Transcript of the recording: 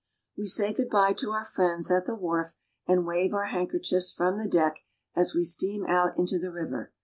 We say good by to our friends at the wharf and wave our handkerchiefs from the deck as we steam out into the river.